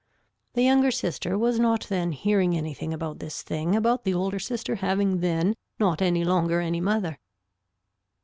The younger sister was not then hearing anything about this thing about the older sister having then not any longer any mother.